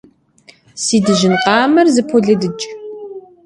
Си дыжьын къамэр зыполыдыкӏ.